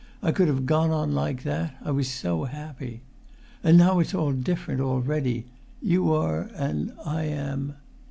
I could have gone on like that—I was so happy. And now it's all different already; you are, and I am